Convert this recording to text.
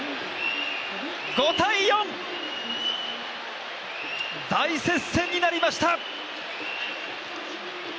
５−４、大接戦になりました！